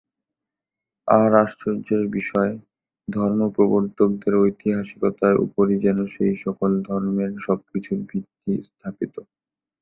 আর আশ্চর্যের বিষয়, ধর্মপ্রবর্তকদের ঐতিহাসিকতার উপরই যেন সেই-সকল ধর্মের সব-কিছুর ভিত্তি স্থাপিত।